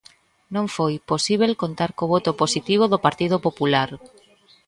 Non foi posíbel contar co voto positivo do Partido Popular.